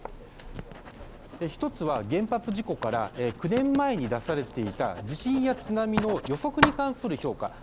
１つは原発事故から９年前に出されていた地震や津波の予測に関する評価。